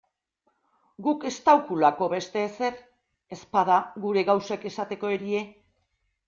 Guk estaukulako beste ezer, ezpada gure gauzek esateko erie.